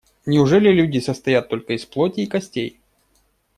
Неужели люди состоят только из плоти и костей?